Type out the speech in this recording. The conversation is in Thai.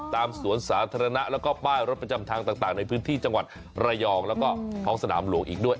สวนสาธารณะแล้วก็ป้ายรถประจำทางต่างในพื้นที่จังหวัดระยองแล้วก็ท้องสนามหลวงอีกด้วย